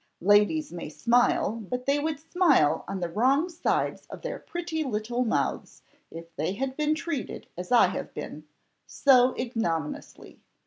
"Ladies may smile, but they would smile on the wrong sides of their pretty little mouths if they had been treated as I have been so ignominiously.